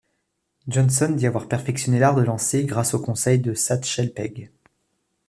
Johnson dit avoir perfectionné l'art de lancer grâce aux conseils de Satchel Paige.